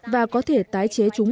và có thể tái chế chúng